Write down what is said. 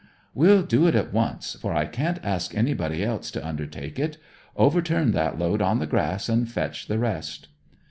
'We'll do it at once, for I can't ask anybody else to undertake it. Overturn that load on the grass and fetch the rest.'